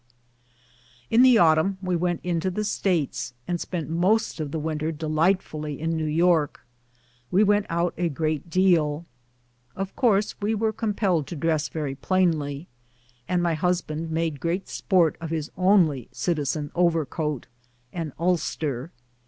In the autumn we went into the States, and spent most of the winter delightfully in New York. "We went out a great deal. Of course we were compelled to dress very plainly, and my husband made great sport of his only citizen overcoat — an ulster.